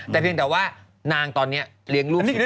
แต่เพียงแต่ว่านางตอนนี้เลี้ยงลูกอยู่